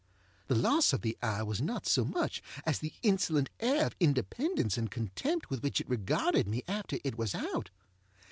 The loss of the eye was not so much as the insolent air of independence and contempt with which it regarded me after it was out.